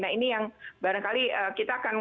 nah ini yang barangkali kita akan